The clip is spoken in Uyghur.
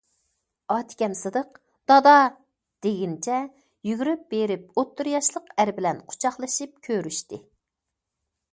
ئاتىكەم سىدىق‹‹ دادا!›› دېگىنىچە يۈگۈرۈپ بېرىپ، ئوتتۇرا ياشلىق ئەر بىلەن قۇچاقلىشىپ كۆرۈشتى.